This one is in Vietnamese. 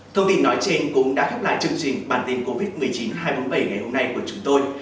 thông tin nói trên cũng đã khép lại chương trình bản tin covid một mươi chín hai trăm bốn mươi bảy ngày hôm nay của chúng tôi